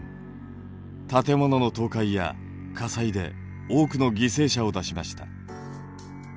建物の倒壊や火災で多くの犠牲者を出しました。